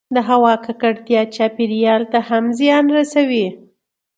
د هـوا کـکړتـيا چاپـېريال ته هم زيان رسـوي